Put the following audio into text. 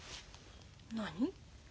何？